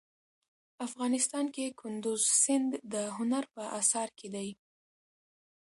افغانستان کې کندز سیند د هنر په اثار کې دی.